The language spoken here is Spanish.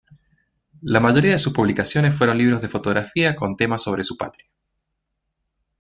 La mayoría de sus publicaciones fueron libros de fotografía con temas sobre su patria.